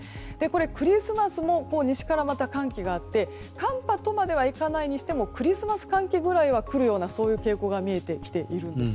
クリスマスも西から寒気がやってきて寒波とまではいかないにしてもクリスマス寒気くらいは来るような傾向が見えてきているんです。